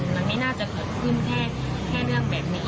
มันไม่น่าจะเกิดขึ้นแค่เรื่องแบบนี้